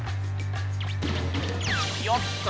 よっと！